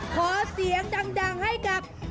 ขอเสียงดังให้กับ